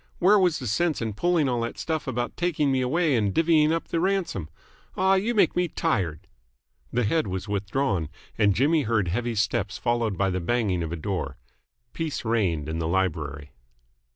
Where was the sense in pulling all that stuff about taking me away and divvying up the ransom? Aw, you make me tired!" The head was withdrawn, and Jimmy heard heavy steps followed by the banging of a door. Peace reigned in the library.